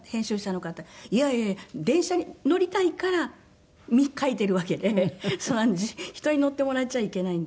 「いやいや電車に乗りたいから書いているわけで人に乗ってもらっちゃいけないんだ」